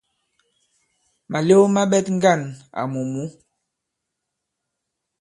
Màlew ma ɓɛt ŋgân àmù mǔ.